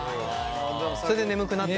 それで眠くなって。